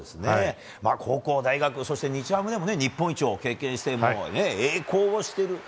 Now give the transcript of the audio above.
高校、大学日ハムでも日本一を経験して栄光を知っている。